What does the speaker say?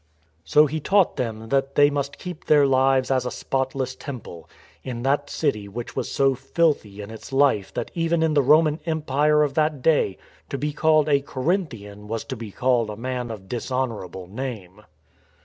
So he taught them that they must keep their lives as a spotless temple, in that city which was so filthy in its life that even in the Roman Empire of that day to be called a " Corinthian " was to be called a man of dishonourable name.